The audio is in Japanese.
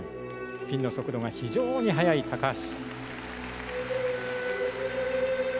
スピンの速度が非常に速い橋。